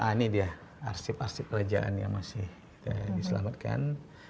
ini dia arsip arsip kerajaan yang masih diselamatkan